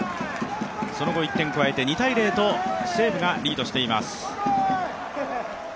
その後１点加えて２−０と西武がリードしています。